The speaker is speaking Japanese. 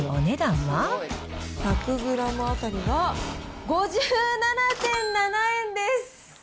１００グラム当たりが５７．７円です。